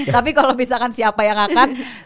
tapi kalau misalkan siapa yang akan